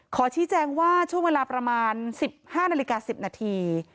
ขอชี้แจงว่าช่วงเวลาประมาณ๑๕นาฬิกา๑๐นาที